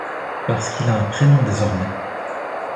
Parce qu'il a un prénom d'esormais.